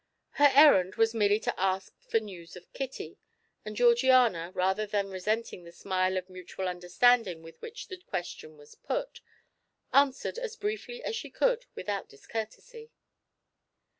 Her errand was merely to ask for news of Kitty, and Georgiana, rather than resenting the smile of mutual understanding with which the question was put, answered as briefly as she could without discourtesy.